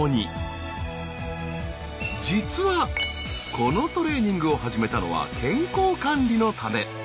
実はこのトレーニングを始めたのは健康管理のため。